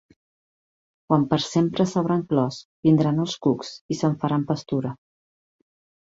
Quan per sempre s’hauran clos, vindran els cucs i se'n faran pastura.